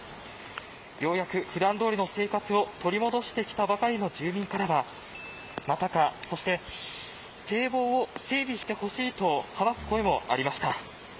ようやく普段どおりの生活を取り戻してきたばかりの住民からはまたかそして堤防を整備してほしいと話す声もありました。